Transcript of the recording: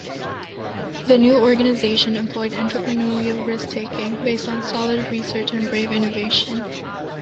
The new organization employed entrepreneurial risk taking, based on solid research and brave innovation.